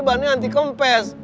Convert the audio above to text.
bannya anti kempes